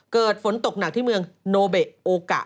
เกิดฝนตกหนักที่เมืองโนเบะโอกะ